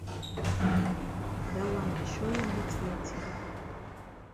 Dat wan na surely next year tin.